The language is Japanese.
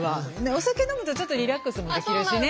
お酒飲むとちょっとリラックスもできるしね。